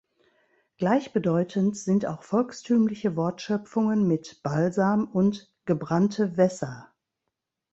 Gleichbedeutend sind auch volkstümliche Wortschöpfungen mit „Balsam“ und „gebrannte Wässer“.